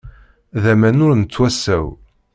D aman ur nettwasaw!